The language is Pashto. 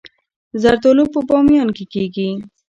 زردالو په بامیان کې کیږي